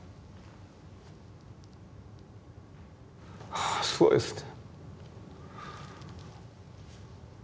はあすごいですね。